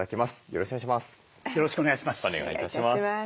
よろしくお願いします。